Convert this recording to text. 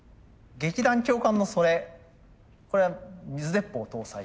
劇団教官のそれこれは水鉄砲搭載？